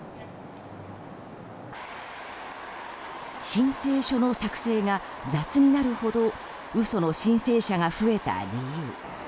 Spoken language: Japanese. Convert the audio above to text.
申請書の作成が雑になるほど嘘の申請者が増えた理由。